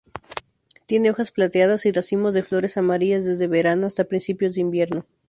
Tiene hojas plateadas y racimos de flores amarillas desde verano hasta principios de invierno.